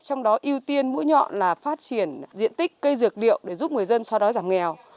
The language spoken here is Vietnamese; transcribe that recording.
trong đó ưu tiên mũi nhọn là phát triển diện tích cây dược liệu để giúp người dân xoa đói giảm nghèo